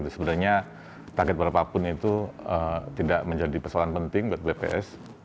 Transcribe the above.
sebenarnya target berapapun itu tidak menjadi persoalan penting buat bps